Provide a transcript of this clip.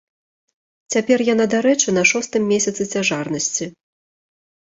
Цяпер яна, дарэчы, на шостым месяцы цяжарнасці.